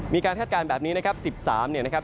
คาดการณ์แบบนี้นะครับ๑๓เนี่ยนะครับ